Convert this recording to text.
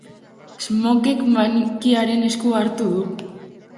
Smokek manikiaren eskua hartu du.